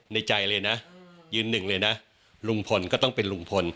ในใจเลยนะยืนหนึ่งเลยนะลุงพลก็ต้องเป็นลุงพล